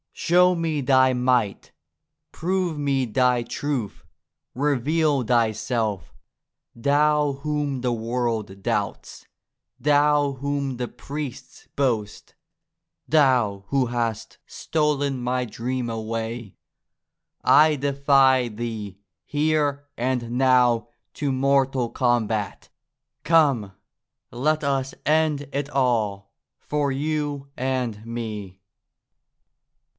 Show me Thy might; prove me Thy truth; reveal Thyself, Thou whom the world doubts; Thou whom the priests boast; Thou who hast stolen my dream away ! I defy Thee here and now to mortal combat ! Come, let us end it all, for you and me